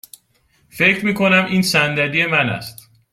فکر می کنم این صندلی من است.